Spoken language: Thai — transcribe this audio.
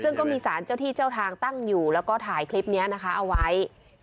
ซึ่งก็มีสารเจ้าที่เจ้าทางตั้งอยู่แล้วก็ถ่ายคลิปนี้นะคะเอาไว้